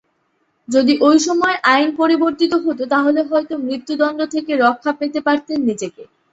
যদি ঐ সময়ে আইন পরিবর্তিত হতো, তাহলে হয়তো মৃত্যুদণ্ড থেকে রক্ষা পেতে পারতেন নিজেকে।